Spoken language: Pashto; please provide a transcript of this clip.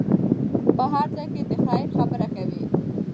په هر ځای کې د خیر خبره کوئ.